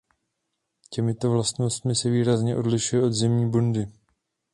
Těmito vlastnostmi se výrazně odlišuje od zimní bundy.